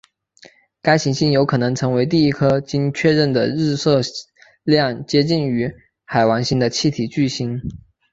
该行星有可能成为第一颗经确认的日射量接近于海王星的气体巨星。